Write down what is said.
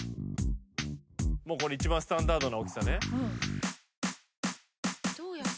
もうこれ一番スタンダードな大きさね。